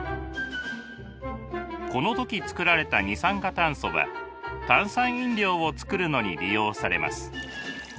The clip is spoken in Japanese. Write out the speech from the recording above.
この時作られた二酸化炭素は炭酸飲料を作るのに利用されます。